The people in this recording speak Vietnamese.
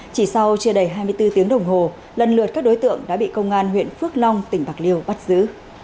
chỉ sau chưa đầy hai mươi bốn tiếng đồng hồ lần lượt các đối tượng đã bị công an huyện phước long tỉnh bạc liêu bắt giữ